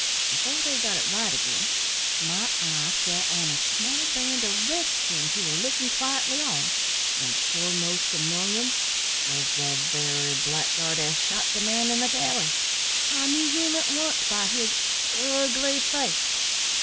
Before they got it right again, my eye fell on a small band o' red skins, who were lookin' quietly on; and foremost among them the very blackguard as shot the man in the galley. I knew him at once by his ugly face.